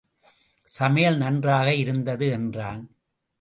சமையல் நன்றாக இருந்தது என்றான்.